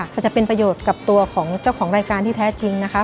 ก็จะเป็นประโยชน์กับตัวของเจ้าของรายการที่แท้จริงนะคะ